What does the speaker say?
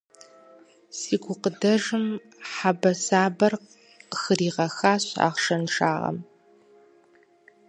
Си гукъыдэжым хьэбэсабэр къыхригъэхащ ахъшэншагъэм.